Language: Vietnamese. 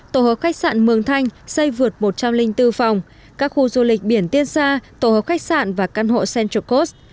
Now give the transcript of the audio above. tổ hợp khách sạn mường thanh xây vượt một trăm linh bốn phòng các khu du lịch biển tiên sa tổ hợp khách sạn và căn hộ central code